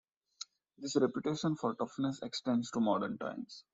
This reputation for toughness extends to modern times.